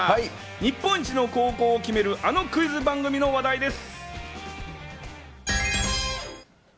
日本一の高校を決める、あのクイズ番組の話題です。